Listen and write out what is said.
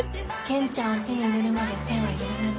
健ちゃんを手に入れるまで手は緩めない。